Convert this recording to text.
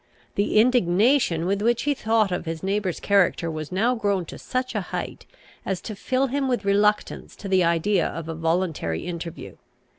The indignation with which he thought of his neighbour's character was now grown to such a height, as to fill him with reluctance to the idea of a voluntary interview.